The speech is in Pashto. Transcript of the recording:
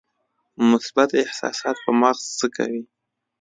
مثبت احساسات په مغز څه کوي؟